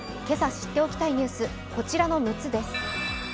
今朝知っておきたいニュース、こちらの６つです。